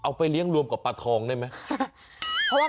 เอาไปเลี้ยงรวมกับปลาทองได้ไหม